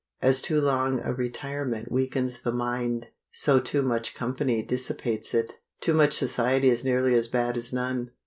As too long a retirement weakens the mind, so too much company dissipates it. Too much society is nearly as bad as none.